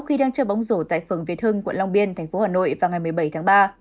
khi đang chơi bóng rổ tại phường việt hưng quận long biên tp hà nội vào ngày một mươi bảy tháng ba